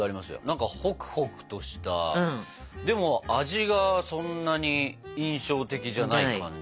何かホクホクとしたでも味がそんなに印象的じゃない感じかな。